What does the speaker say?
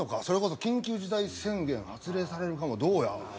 それこそ緊急事態宣言発令されるかも。